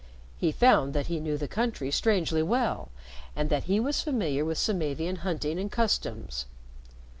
He found that he knew the country strangely well, and that he was familiar with Samavian hunting and customs.